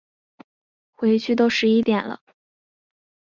回去都十一点了